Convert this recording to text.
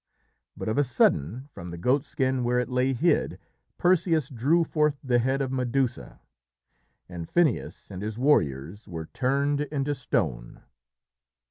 But of a sudden, from the goatskin where it lay hid, Perseus drew forth the head of Medusa, and Phineus and his warriors were turned into stone.